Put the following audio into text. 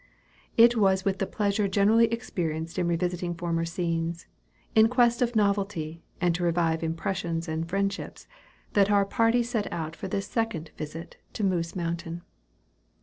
It was with the pleasure generally experienced in revisiting former scenes, in quest of novelty and to revive impressions and friendships, that our party set out for this second visit to Moose Mountain.